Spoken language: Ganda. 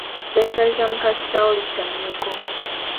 Lw'oyagaliza mukaakitaawo, lutta nnyoko.